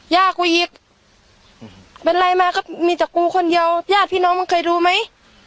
ยากกว่าอีกเป็นไรมาก็มีแต่กูคนเดียวญาติพี่น้องมึงเคยดูไหม